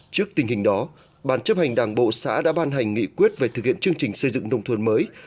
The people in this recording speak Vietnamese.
trước tình hình đó ban chấp hành đảng bộ xã đã ban hành nghị quyết về thực hiện chương trình xây dựng nông thôn mới